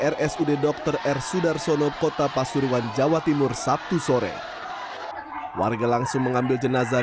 rsud dr r sudarsono kota pasuruan jawa timur sabtu sore warga langsung mengambil jenazah